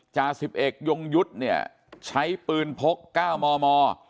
จ่าสิบเอกยงยุทธ์เนี่ยใช้ปืนพก๙มม